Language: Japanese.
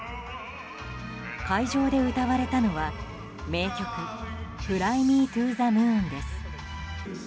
会場で歌われたのは名曲「ＦｌｙｍｅＴｏＴｈｅＭｏｏｎ」です。